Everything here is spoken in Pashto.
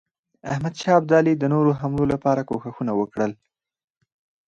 احمدشاه ابدالي د نورو حملو لپاره کوښښونه وکړل.